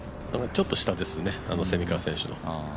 ちょっと下ですね、蝉川選手の。